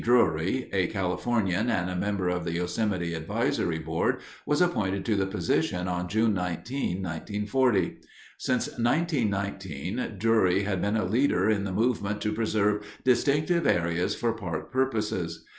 Drury, a Californian and a member of the Yosemite Advisory Board, was appointed to the position on June 19, 1940. Since 1919, Drury had been a leader in the movement to preserve distinctive areas for park purposes.